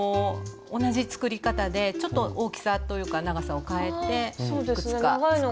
同じ作り方でちょっと大きさというか長さをかえていくつか作って。